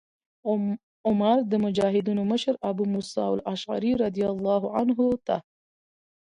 عمر د مجاهدینو مشر ابو موسی الأشعري رضي الله عنه ته